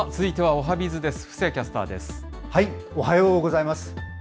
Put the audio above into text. おはようございます。